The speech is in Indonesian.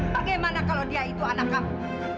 bagaimana kalau dia itu anak kamu